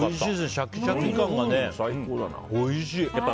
シャキシャキ感がおいしい。